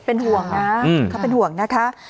เป็นห่วงนะคะ